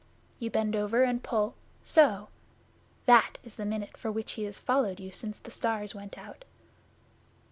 You bend over and pull so! That is the minute for which he has followed you since the stars went out.